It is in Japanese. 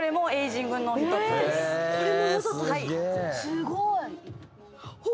すごい。